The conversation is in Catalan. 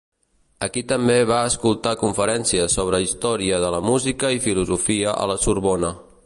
Aquí també va escoltar conferències sobre història de la música i filosofia a la Sorbona.